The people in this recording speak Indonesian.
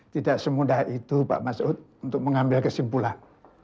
tidak semudah itu pak mas ud untuk mengambil kesimpulan